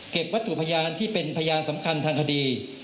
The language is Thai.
วัตถุพยานที่เป็นพยานสำคัญทางคดี